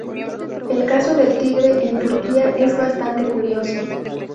El caso del tigre en Turquía es bastante curioso.